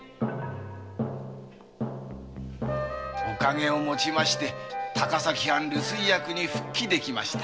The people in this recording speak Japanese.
おかげをもちまして高崎藩留守居役に復帰できました。